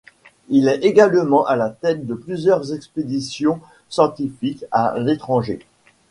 Il est également à la tête de plusieurs expéditions scientifiques à l’étranger.